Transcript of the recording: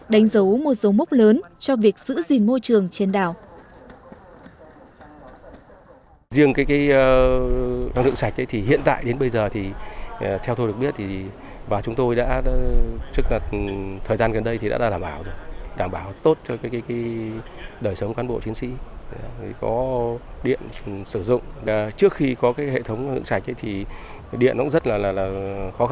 đánh dấu một số mốc lớn cho việc giữ gìn môi trường trên đảo